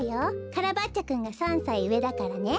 カラバッチョくんが３さいうえだからね！